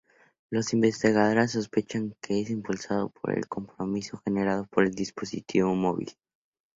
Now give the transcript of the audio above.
Los investigadores sospechan que es impulsado por el compromiso generado por el dispositivo móvil.